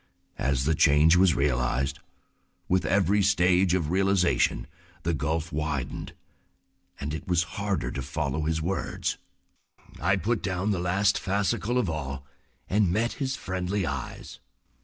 As the change was realized, with every stage of realization the gulf widened and it was harder to follow his words. I put down the last fascicle of all, and met his friendly eyes.